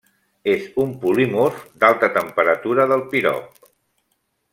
És un polimorf d'alta temperatura del pirop.